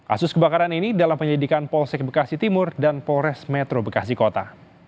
asus kebakaran ini dalam penyidikan polsek bekasi timur dan polres metro bekasi kota